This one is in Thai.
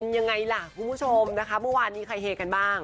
ยังไงล่ะคุณผู้ชมนะคะเมื่อวานนี้ใครเฮกันบ้าง